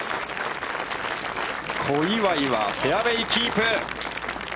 小祝はフェアウェイキープ。